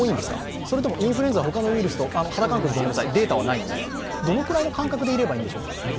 それともインフルエンザほかのウイルスとデータがないので肌感覚でいいのでどのくらいの感覚でいればいいでしょうか？